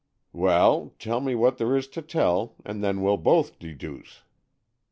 "Well, tell me what there is to tell, and then we'll both deduce."